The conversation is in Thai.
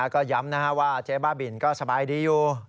ก็ย้ำว่าเจ๊บ้าบินก็สบายดีอยู่